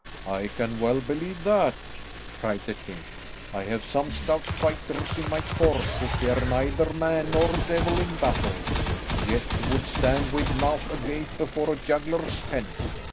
"I can well believe that," cried the king. "I have some stout fighters in my court who fear neither man nor devil in battle, yet who would stand with mouth agape before a juggler's tent.